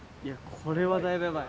これはだいぶやばい。